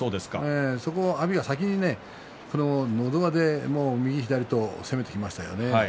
そこを阿炎が先に、のど輪で右左と攻めてきましたよね。